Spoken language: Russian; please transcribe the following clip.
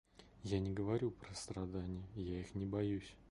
Я не говорю про страдания, я их не боюсь.